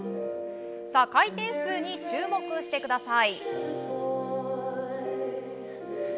回転数に注目してください。